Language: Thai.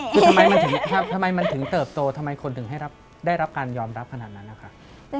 คือทำไมมันถึงเติบโตทำไมคนถึงให้ได้รับการยอมรับขนาดนั้นนะคะ